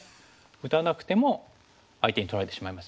打たなくても相手に取られてしまいますよね。